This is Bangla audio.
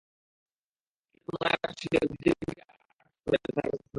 কিদার পুনরায় বর্শা দিয়ে উটনীটির বুকে আঘাত করে এবং তাকে হত্যা করে।